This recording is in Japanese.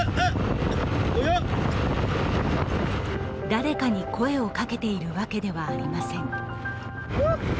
誰かに声をかけているわけではありません。